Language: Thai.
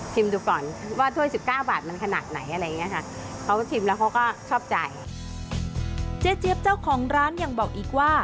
ชิมดูก่อนว่าถ้วย๑๙บาทมันขนาดไหนอะไรอย่างนี้ค่ะ